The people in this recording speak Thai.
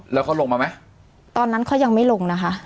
แล้วเขาลงมาไหมตอนนั้นเขายังไม่ลงนะคะ